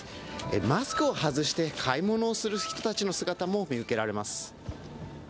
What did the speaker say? マスクを外して買い物をする人たちの姿も見受けられます。